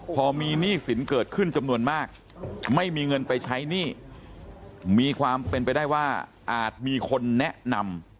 พอมีหนี้สินเกิดขึ้นจำนวนมากไม่มีเงินไปใช้หนี้มีความเป็นไปได้ว่าอาจมีคนแนะนำ